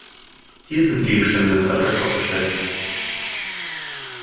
Hier sind Gegenstände des Alltags ausgestellt.